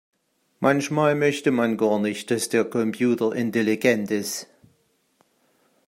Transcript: Manchmal möchte man gar nicht, dass der Computer intelligent ist.